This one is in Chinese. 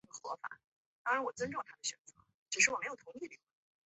原来设计做为载人登月飞船的联盟号飞船开始被安排做苏联空间站的运输工具。